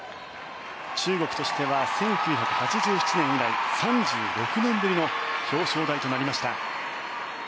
中国としては１９８７年以来３６年ぶりの表彰台となりました。